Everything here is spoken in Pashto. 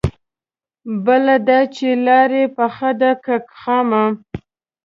بله دا چې لاره يې پخه ده که خامه؟